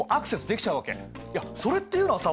いやそれっていうのはさ